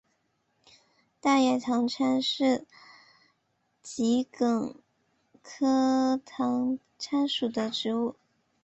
大叶党参是桔梗科党参属的植物。